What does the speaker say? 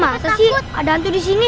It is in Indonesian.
masa sih ada hantu disini